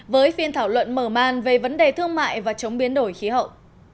với phiên thảo luận mở màn về vấn đề thương mại và chống biến đổi khí hậu